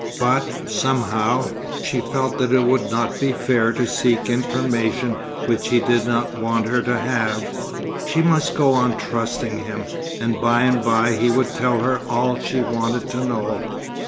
But, somehow, she felt that it would not be fair to seek information which he did not want her to have. She must go on trusting him, and by and by he would tell her all she wanted to know.